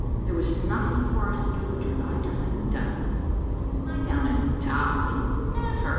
There was nothing for us to do but to lie down and die. Lie down and die? Never!